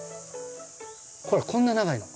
ほらこんな長いの。